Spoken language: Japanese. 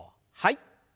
はい。